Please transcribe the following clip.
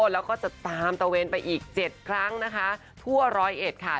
แล้วก็จะตามตะเวนไปอีก๗ครั้งนะคะทั่วร้อยเอ็ดค่ะ